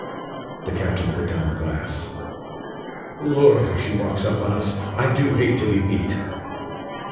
The captain put down the glass: "Lord how she walks up on us! I do hate to be beat!"